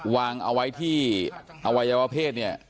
วางเอาไว้ที่อวัยวะเพศ